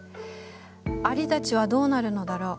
蟻たちはどうなるのだろう。